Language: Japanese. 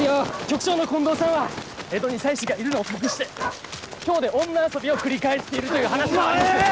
局長の近藤さんは江戸に妻子がいるのを隠して京で女遊びを繰り返しているという話もありますが。